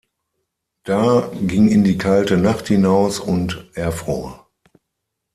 Da ging in die kalte Nacht hinaus und erfror.